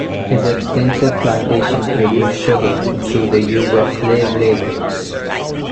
His extensive plantation produced sugar through the use of slave labor.